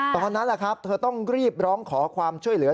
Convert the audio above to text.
ตอนนั้นแหละครับเธอต้องรีบร้องขอความช่วยเหลือ